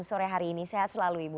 sore hari ini sehat selalu ibu